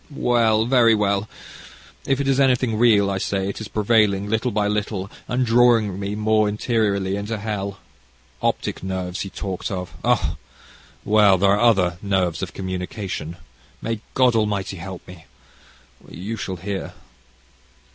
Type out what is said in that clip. "Well very well. If it is anything real, I say, it is prevailing, little by little, and drawing me more interiorly into hell. Optic nerves, he talked of. Ah! well there are other nerves of communication. May God Almighty help me! You shall hear.